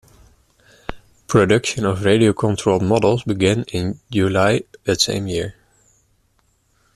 Production of radio controlled models began in July that same year.